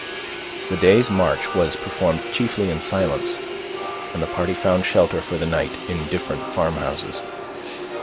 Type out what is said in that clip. The day's march was performed chiefly in silence, and the party found shelter for the night in different farmhouses.